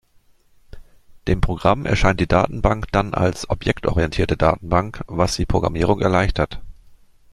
Dem Programm erscheint die Datenbank dann als objektorientierte Datenbank, was die Programmierung erleichtert.